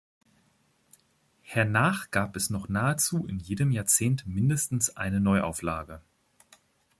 Hernach gab es noch nahezu in jedem Jahrzehnt mindestens eine Neuauflage.